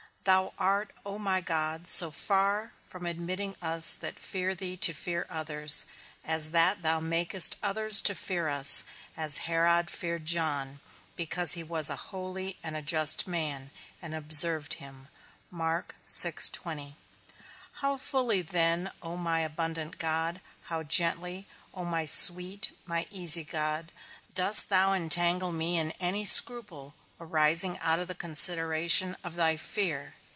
Thou art, O my God, so far from admitting us that fear thee to fear others, as that thou makest others to fear us; as Herod feared John, because he was a holy and a just man, and observed him. How fully then, O my abundant God, how gently, O my sweet, my easy God, dost thou unentangle me in any scruple arising out of the consideration of thy fear!